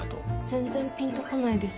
全然ピンとこないです。